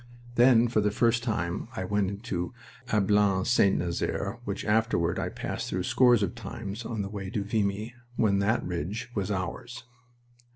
Then for the first time I went into Ablain St. Nazaire, which afterward I passed through scores of times on the way to Vimy when that ridge was ours.